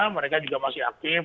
mereka juga masih aktif